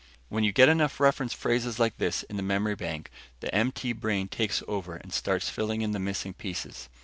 When you get enough reference phrases like this in the memory bank, the MT brain takes over and starts filling in the missing pieces.